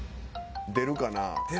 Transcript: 出るかな？